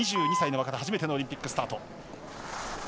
２２歳の若手初めてのオリンピックスタート。